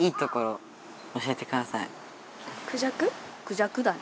クジャクだね。